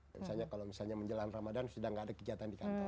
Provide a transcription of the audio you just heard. misalnya kalau menjelang ramadhan sudah gak ada kegiatan di kantor